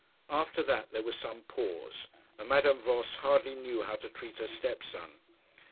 After that there was some pause, and Madame Voss hardly knew how to treat her step son.